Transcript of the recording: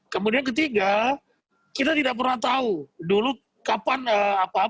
kemudian ketiga kita tidak pernah tahu dulu kapan apa